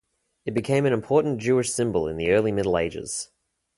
It became an important Jewish symbol in the early Middle Ages.